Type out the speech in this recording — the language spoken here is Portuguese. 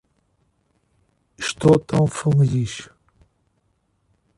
Estou tão feliz